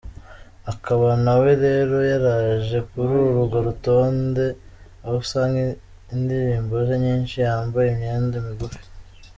Akaba nawe rero yaraje kuri urwo rutonde aho usanga indirimboze nyinshi yambaye imyenda migufi.